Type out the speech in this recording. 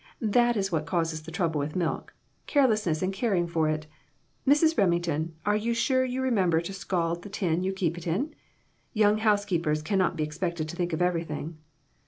That is what causes the trouble with milk carelessness in caring for it. Mrs. Remington, are you sure you remember to scald the tin you keep it in ? Young housekeepers can not be expected to think of everything."